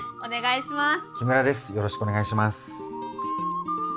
お願いします。